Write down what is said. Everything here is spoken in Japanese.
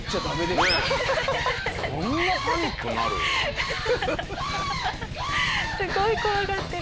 すごい怖がってる。